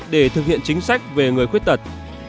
để thực hiện chính sách về người khuyết tật